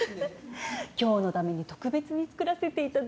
今日のために特別に作らせていただいたんです。